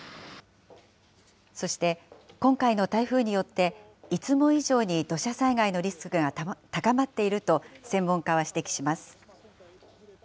そして、今回の台風によって、いつも以上に土砂災害のリスクが高まっていると、専門家は指摘します。